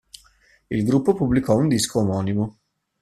Il gruppo pubblicò un disco omonimo.